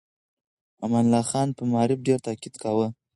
امان الله خان په معارف ډېر تاکيد کاوه.